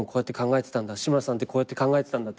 志村さんってこうやって考えてたんだって。